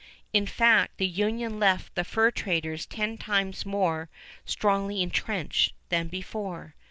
In fact, the union left the fur traders ten times more strongly intrenched than before.